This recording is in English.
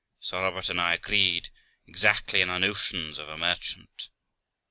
Sir Robert and I agreed exactly in our notions of a merchant.